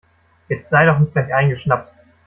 Jetzt sei doch nicht gleich eingeschnappt.